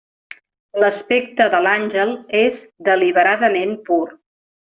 L'aspecte de l'àngel és deliberadament pur.